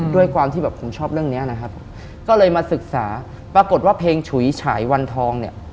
ด้วยความที่แบบผมชอบเรื่องนี้นะครับก็เลยมาศึกษาปรากฏว่าเพลงฉุยฉายวันทองเนี่ย